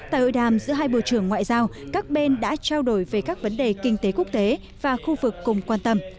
tại hội đàm giữa hai bộ trưởng ngoại giao các bên đã trao đổi về các vấn đề kinh tế quốc tế và khu vực cùng quan tâm